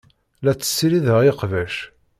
La tessirideḍ iqbac.